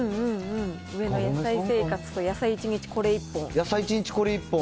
上の野菜生活と野菜一日これ一本。